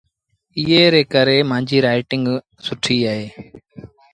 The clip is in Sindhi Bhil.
ايئي ري ڪري مآݩجيٚ رآئيٽيٚنگ سُٺيٚ اهي۔